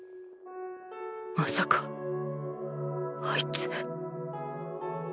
まさかあいつ。